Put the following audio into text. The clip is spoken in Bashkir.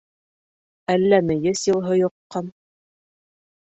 Әллә мейес йылыһы йоҡҡан?